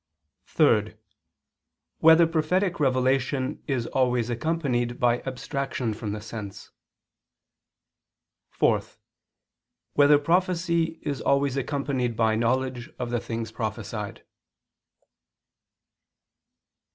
(3) Whether prophetic revelation is always accompanied by abstraction from the sense? (4) Whether prophecy is always accompanied by knowledge of the things prophesied?